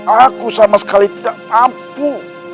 aku sama sekali tidak mampu